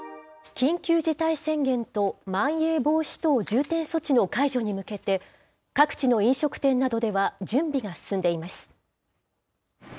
緊急事態宣言とまん延防止等重点措置の解除に向けて、各地の飲食店などでは準備が進んでいます。